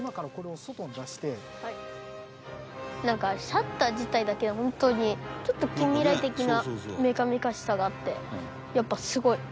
シャッター自体だけでも本当にちょっと近未来的なメカメカしさがあってやっぱすごい。